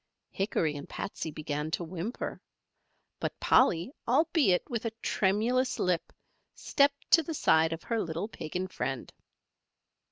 Hickory and Patsey began to whimper. But Polly, albeit with a tremulous lip, stepped to the side of her little Pagan friend.